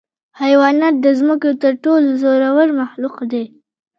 حیوانات د ځمکې تر ټولو زوړ مخلوق دی.